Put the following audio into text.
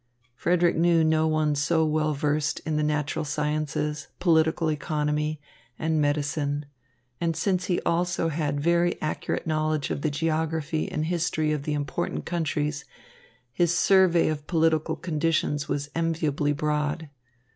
Frederick knew no one so well versed in the natural sciences, political economy, and medicine; and since he also had very accurate knowledge of the geography and history of the important countries, his survey of political conditions was enviably broad.